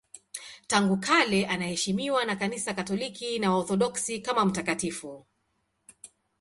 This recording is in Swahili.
Tangu kale anaheshimiwa na Kanisa Katoliki na Waorthodoksi kama mtakatifu.